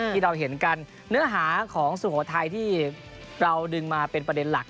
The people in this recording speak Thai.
ที่เราเห็นกันเนื้อหาของสุโขทัยที่เราดึงมาเป็นประเด็นหลัก